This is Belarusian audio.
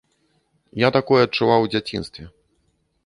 Я такое адчуваў у дзяцінстве.